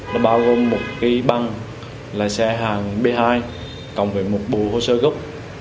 đã bao gồm một cái băng lái xe hàng b hai cộng với một bộ hồ sơ gốc